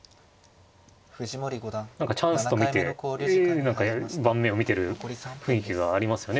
何かチャンスと見て何か盤面を見てる雰囲気がありますよね